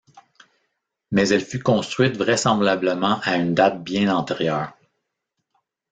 Mais elle fut construite vraisemblablement à une date bien antérieure.